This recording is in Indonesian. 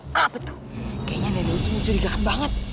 kayaknya nenek itu curigakan banget